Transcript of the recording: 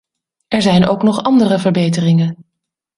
Er zijn ook nog andere verbeteringen.